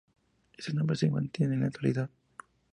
Este nombre se mantiene en la actualidad.